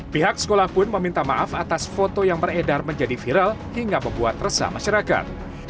pihak sekolah pun meminta maaf atas foto yang beredar menjadi viral hingga membuat resah masyarakat